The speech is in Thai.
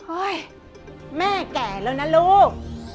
แม่แก่แล้วนะลูก